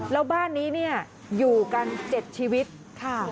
แล้วบ้านนี้อยู่กันเจ็ดชีวิตค่ะ